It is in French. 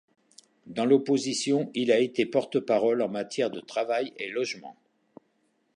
Dans l'opposition il a été porte-parole en matière de Travail et Logement.